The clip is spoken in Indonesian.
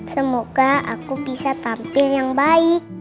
semoga aku bisa tampil yang baik